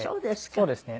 そうですね。